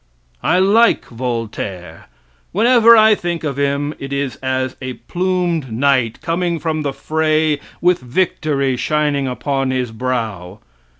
I like Voltaire. Whenever I think of him it is as a plumed knight coming from the fray with victory shining upon his brow.